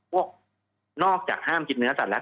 นอกจากห้ามกินเนื้อสัตวแล้ว